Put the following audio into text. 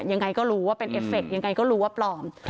ยังไงก็รู้ว่าเป็นเอฟเฟคยังไงก็รู้ว่าปลอม